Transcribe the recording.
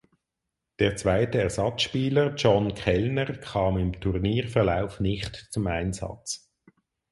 Der zweite Ersatzspieler John Kellner kam im Turnierverlauf nicht zum Einsatz.